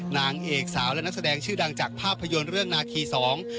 นางเอกสาวและนักแสดงชื่อดังจากภาพยนตร์เรื่องนาคีสอง